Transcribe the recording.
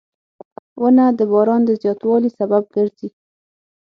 • ونه د باران د زیاتوالي سبب ګرځي.